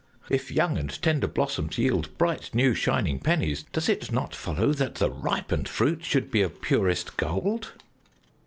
If young and tender blossoms yield bright, new shining pennies, does it not follow that the ripened fruit should be of purest gold?"